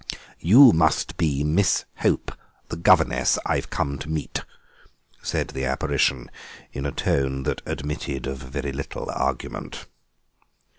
"You must be Miss Hope, the governess I've come to meet," said the apparition, in a tone that admitted of very little argument.